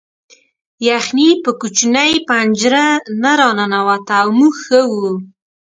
یخني په کوچنۍ پنجره نه راننوته او موږ ښه وو